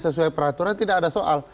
sesuai peraturan tidak ada soal